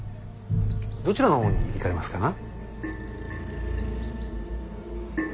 どちらの方に行かれますかな。